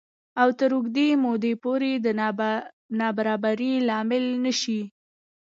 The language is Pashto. او تر اوږدې مودې پورې د نابرابرۍ لامل نه شي